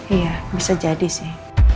iya bisa jadi sih